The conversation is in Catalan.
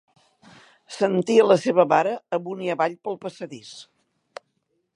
Sentia la seva mare amunt i avall pel passadís.